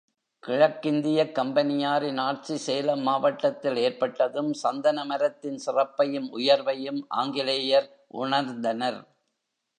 கிழக்கிந்தியக் கம்பெனியாரின் ஆட்சி சேலம் மாவட்டத்தில் ஏற்பட்டதும், சந்தன மரத்தின் சிறப்பையும், உயர்வையும் ஆங்கிலேயர் உணர்ந்தனர்.